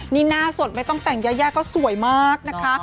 นี่หน้าสดไม่ต้องแต่งยายาก็สวยมากนะคะ